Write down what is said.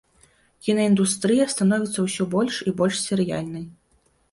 Кінаіндустрыя становіцца ўсе больш і больш серыяльнай.